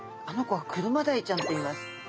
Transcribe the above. あの子はクルマダイちゃんといいます。